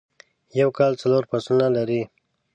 یو کال څلور فصلونه لری